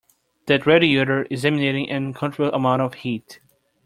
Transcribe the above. That radiator is emitting an uncomfortable amount of heat.